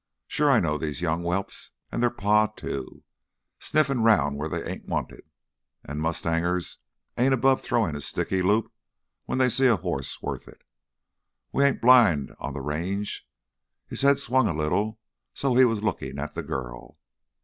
Sure, I know these young whelps an' their pa too. Sniffin' round where they ain't wanted. An' mustangers ain't above throwin' a sticky loop when they see a hoss worth it. We ain't blind on th' Range." His head swung a little so he was looking at the girl.